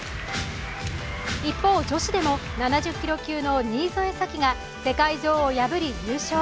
一方、女子でも７０キロ級の新添左季が世界女王を破り優勝。